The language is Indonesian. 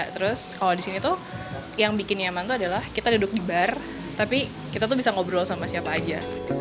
terus kalau di sini tuh yang bikin nyaman tuh adalah kita duduk di bar tapi kita tuh bisa ngobrol sama siapa aja